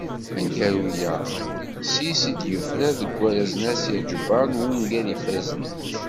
Aneggaru-a s yis-s i d-yufrar deg warraz n Asya Ǧebbar n wungal ifazzen.